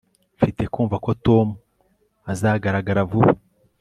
mfite kumva ko tom azagaragara vuba